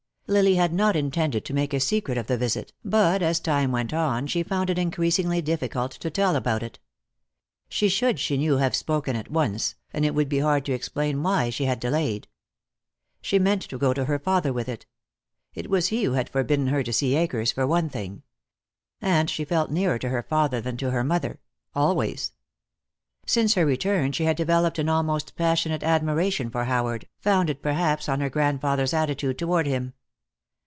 Lily had not intended to make a secret of the visit, but as time went on she found it increasingly difficult to tell about it. She should, she knew, have spoken at once, and it would be hard to explain why she had delayed. She meant to go to her father with it. It was he who had forbidden her to see Akers, for one thing. And she felt nearer to her father than to her mother, always. Since her return she had developed an almost passionate admiration for Howard, founded perhaps on her grandfather's attitude toward him.